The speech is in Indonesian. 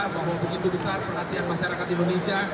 bahwa begitu besar perhatian masyarakat indonesia